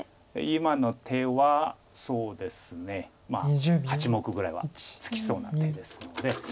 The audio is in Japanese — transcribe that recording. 今の手はそうですね８目ぐらいはつきそうな手ですので。